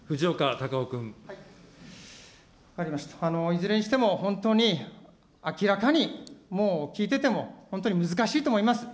いずれにしても、本当に明らかに、もう聞いてても本当に難しいと思います。